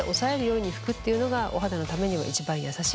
お肌のためには一番優しいです。